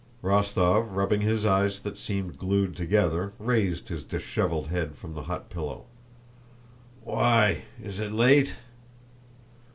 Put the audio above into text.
Rostóv, rubbing his eyes that seemed glued together, raised his disheveled head from the hot pillow. "Why, is it late?"